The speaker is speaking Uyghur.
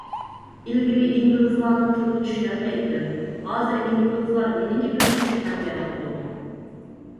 ئىلگىرى ئىنگلىزلارنىڭ تىلىنى چۈشىنەلمەيتتىم، ھازىر ئىنگلىزلار مېنىڭ گېپىمنى چۈشىنەلمەيۋاتىدۇ.